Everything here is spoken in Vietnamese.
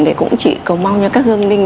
để cũng chỉ cầu mong cho các hương linh